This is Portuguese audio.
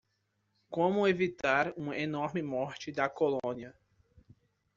Como evitar uma enorme morte da colônia.